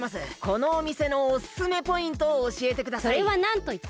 このおみせのおすすめポイントをおしえてください。